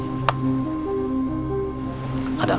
juga nggak bisa dicana di set